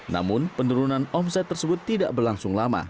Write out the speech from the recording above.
namun penurunan omset tersebut tidak berlangsung lama